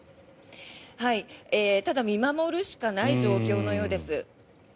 ただ見守るしかない状況のようです。